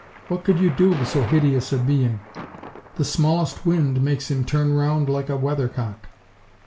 What could you do with so hideous a being? The smallest wind makes him turn round like a weathercock."